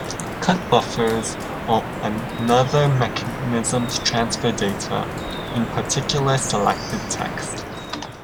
Cut buffers are another mechanism to transfer data, in particular selected text.